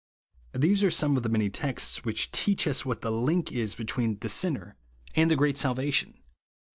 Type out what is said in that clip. These ai'e some of the many texts which teach us what the link is between the sin ner and the great salvation.